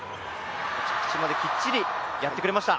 着地まできっちりやってくれました。